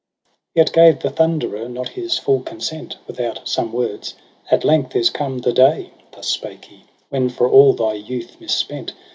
Yet gave the Thunderer not his full consent Without some words :' At length is come the day,' Thus spake he, ' when for all thy youth misspent.